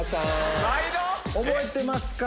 覚えてますか？